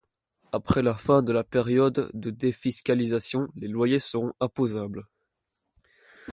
Après la fin de la période de défiscalisation, les loyers seront imposables.